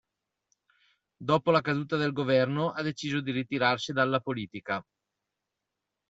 Dopo la caduta del Governo, ha deciso di ritirarsi dalla politica.